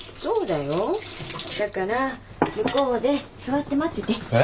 だから向こうで座って待ってて。